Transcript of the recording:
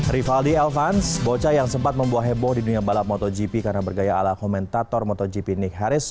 rivaldi elvans bocah yang sempat membuat heboh di dunia balap motogp karena bergaya ala komentator motogp nick harris